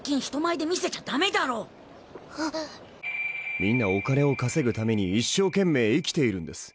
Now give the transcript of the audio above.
みんなお金を稼ぐために一生懸命生きているんです